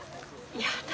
やだ。